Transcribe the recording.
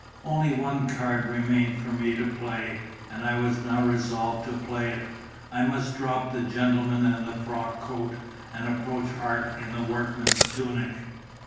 Only one card remained for me to play, and I was now resolved to play it: I must drop the gentleman and the frock coat, and approach art in the workman's tunic.